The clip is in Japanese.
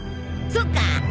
そっか。